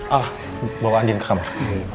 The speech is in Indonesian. ah mau andiin ke kamar